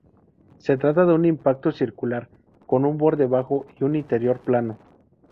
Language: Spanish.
Se trata de un impacto circular, con un borde bajo y un interior plano.